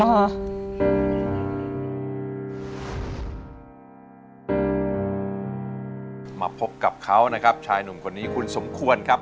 มาพบกับเขานะครับชายหนุ่มคนนี้คุณสมควรครับ